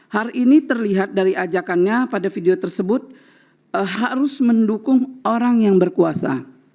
hari ini terlihat dari ajakannya pada video tersebut harus mendukung orang yang berkuasa